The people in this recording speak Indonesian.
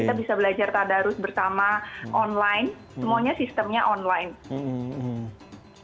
kita bisa belajar tadarus bersama online semuanya sistemnya online